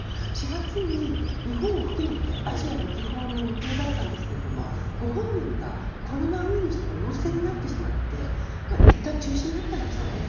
４月に日本を含めてアジア歴訪の予定だったんですがご本人が、コロナウイルスの陽性になってしまっていったん中止になったんですね。